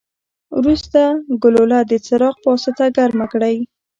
وروسته ګلوله د څراغ پواسطه ګرمه کړئ.